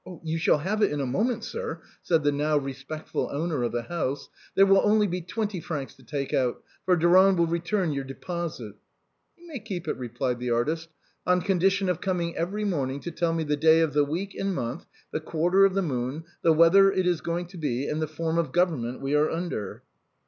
" You shall have it in a moment, sir," said the now re spectful owner of the house ;" there will only be twenty francs to take out, for Durand will return your deposit." " He may keep it," replied the artist, " on condition of coming every morning to tell me the day of the week and month, the quarter of the moon, the weather it is going to be, and the form of government we are under."